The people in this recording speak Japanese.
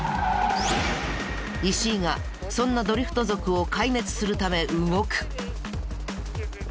石井がそんなドリフト族を壊滅するため動く。